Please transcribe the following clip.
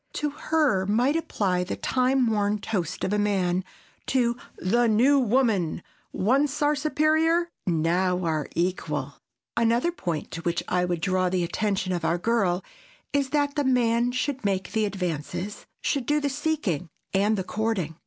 To her might apply the time worn toast of man to "The New Woman,—once our superior, now our equal." Another point to which I would draw the attention of our girl is that the man should make the advances, should do the seeking and the courting.